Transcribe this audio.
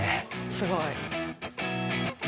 すごい。